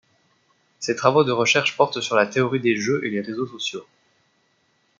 Ses travaux de recherche portent sur la théorie des jeux et les réseaux sociaux.